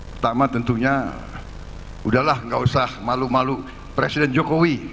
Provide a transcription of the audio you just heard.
pertama tentunya udahlah nggak usah malu malu presiden jokowi